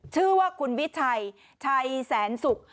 ชื่อว่าคุณวิชัยชัยแสนศุกร์